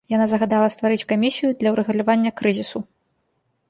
Яна загадала стварыць камісію для ўрэгулявання крызісу.